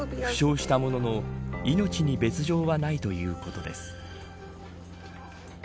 負傷したものの命に別条はないということです。